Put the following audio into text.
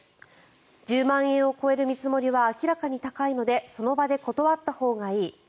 １０万円を超える見積もりは明らかに高いのでその場で断ったほうがいい。